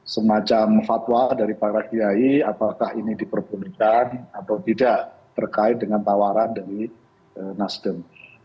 semacam fatwa dari para kiai apakah ini diperbolehkan atau tidak terkait dengan tawaran dari nasdem